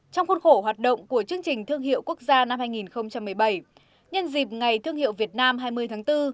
trong khuôn khổ hoạt động của chương trình thương hiệu quốc gia năm hai nghìn một mươi bảy nhân dịp ngày thương hiệu việt nam hai mươi tháng bốn